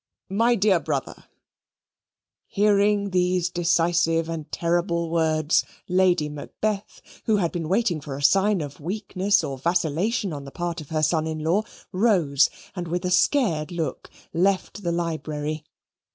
My dear brother '" Hearing these decisive and terrible words, Lady Macbeth, who had been waiting for a sign of weakness or vacillation on the part of her son in law, rose and, with a scared look, left the library.